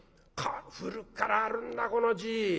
古くからあるんだこの字。